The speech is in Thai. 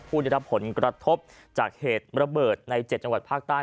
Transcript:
ผู้ได้รับผลกระทบจากเหตุระเบิดใน๗จังหวัดภาคใต้